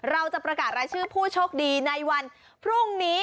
เราจะประกาศรายชื่อผู้โชคดีในวันพรุ่งนี้